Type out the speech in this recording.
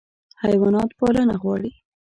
حیوانات پالنه غواړي.